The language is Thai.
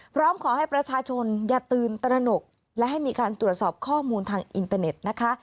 พร้อมขอให้ประชาชนอย่าตื่นตระหนกและให้มีการตรวจสอบข้อมูลทางอินเตอร์เน็ตนะคะ